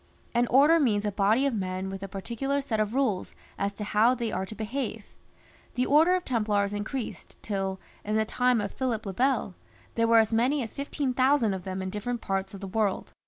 An Order means a body of men with a particular set of rules as to how they are to behave. The Order of Templars increased, till, in the time of Philip le Bel, there were as many as 15,000 of them in different parts of the world.